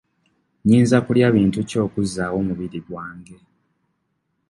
Nnyinza kulya bintu ki okuzzaawo omubiri gwange?